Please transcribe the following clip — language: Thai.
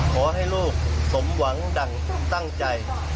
ขอให้ลูกสมหวังดั่งตั้งใจ